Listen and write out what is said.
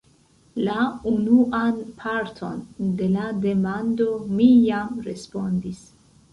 La unuan parton de la demando mi jam respondis.